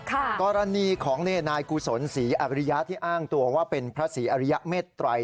กรณีของนายกุศลศรีอริยะที่อ้างตัวว่าเป็นพระศรีอริยเมตรัย